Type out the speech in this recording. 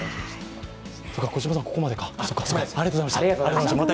小島さん、ここまでか、ありがとうございました。